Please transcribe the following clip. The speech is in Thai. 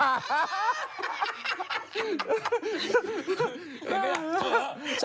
เออไม่กล้าส้า